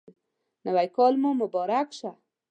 نوی کال مو مبارک شه